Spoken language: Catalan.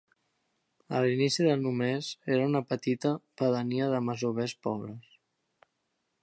A l'inici del només era una petita pedania de masovers pobres.